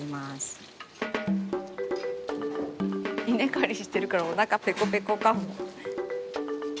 稲刈りしてるからおなかぺこぺこかも。